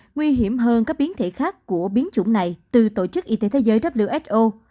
nguy hiểm hơn các biến thể khác của biến chủng này từ tổ chức y tế thế giới who